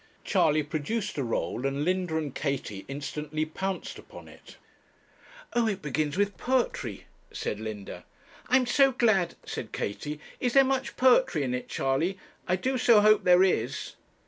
Charley produced a roll, and Linda and Katie instantly pounced upon it. 'Oh! it begins with poetry,' said Linda. 'I am so glad,' said Katie. 'Is there much poetry in it, Charley? I do so hope there is.'